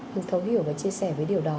hưng thấu hiểu và chia sẻ với điều đó